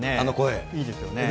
いいですよね。